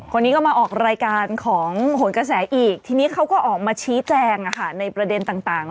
คนนี้ก็มาออกรายการของหนกระแสอีกทีนี้เขาก็ออกมาชี้แจงในประเด็นต่าง